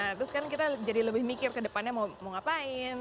terus kan kita jadi lebih mikir ke depannya mau ngapain